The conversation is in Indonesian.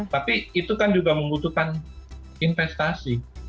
tapi itu kan juga membutuhkan investasi